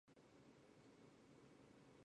首任首长为成在基。